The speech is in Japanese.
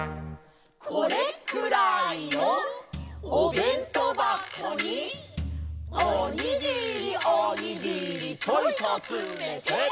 「これくらいのおべんとばこに」「おにぎりおにぎりちょいとつめて」